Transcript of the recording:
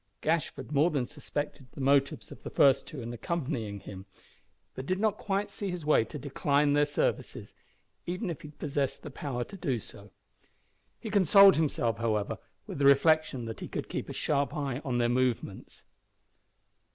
Gashford more than suspected the motives of the first two in accompanying him, but did not quite see his way to decline their services, even if he had possessed the power to do so. He consoled himself, however, with the reflection that he could keep a sharp eye on their movements.